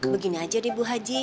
begini aja deh bu haji